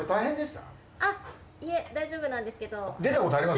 いえ大丈夫なんですけど。